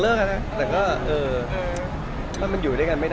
พี่พอร์ตทานสาวใหม่พี่พอร์ตทานสาวใหม่